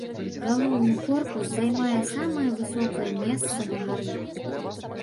Галоўны корпус займае самае высокае месца на гары.